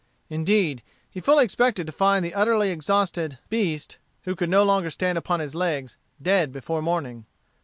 Indeed, he fully expected to find the utterly exhausted beast, who could no longer stand upon his legs, dead before morning.